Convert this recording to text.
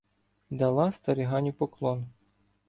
Дала стариганю поклон: